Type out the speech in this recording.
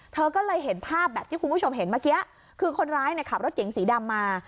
เธอก็เลยเห็นภาพแบบที่คุณผู้ชมเห็นเมื่อกี้คือคนร้ายเนี่ยขับรถเก๋งสีดำมา